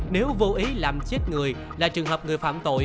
nếu vô ý làm chết người là trường hợp người phạm tội